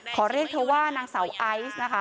ขอเรียกเธอว่านางสาวไอซ์นะคะ